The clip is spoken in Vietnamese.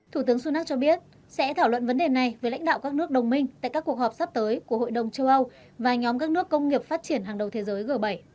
thủ tướng sunak cho biết sẽ thảo luận vấn đề này với lãnh đạo các nước đồng minh tại các cuộc họp sắp tới của hội đồng châu âu và nhóm các nước công nghiệp phát triển hàng đầu thế giới g bảy